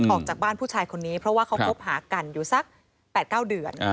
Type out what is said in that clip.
ออกจากบ้านผู้ชายคนนี้เพราะว่าเขาคบหากันอยู่สัก๘๙เดือน